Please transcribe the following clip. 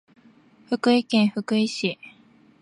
福井県福井市